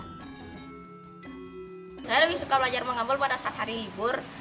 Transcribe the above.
saya lebih suka belajar mengabel pada saat hari libur